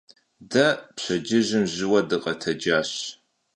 De pşedcıjım jıue dıkhetecaş.